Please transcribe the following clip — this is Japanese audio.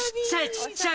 小っちゃい！